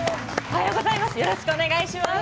おはようございます。